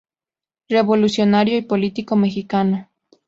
Revolucionario y político mexicano.